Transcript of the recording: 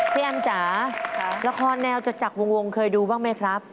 แอมจ๋าละครแนวจัดวงเคยดูบ้างไหมครับ